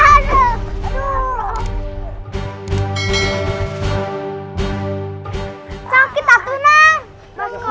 sakit aku neng